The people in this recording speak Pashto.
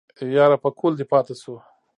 يره پکول دې پاتې شو.